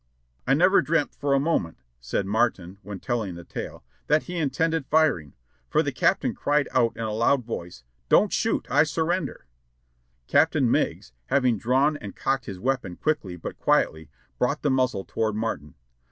"I never dreamt for a moment." said iMartin when telling the 6/2 JOHNNY RKB AND BILLY YANK tale, "that he intended firing, for tlie Captain cried out in a IoihI voice, 'Don't shoot, I surrender!' " Captain Meigs, having drawn and cocked his weapon quickly but quietly, brought the muzzle toward Martin.